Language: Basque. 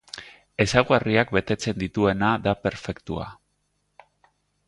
Ezaugarriak betetzen dituena da perfektua.